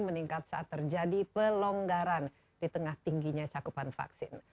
meningkat saat terjadi pelonggaran di tengah tingginya cakupan vaksin